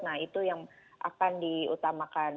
nah itu yang akan diutamakan